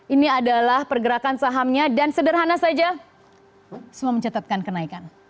ini adalah pergerakan sahamnya dan sederhana saja semua mencatatkan kenaikan